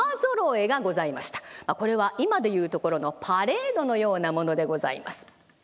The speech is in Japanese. これは今で言うところのパレードのようなものでございます。